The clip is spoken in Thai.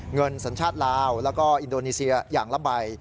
สัญชาติลาวแล้วก็อินโดนีเซียอย่างละใบ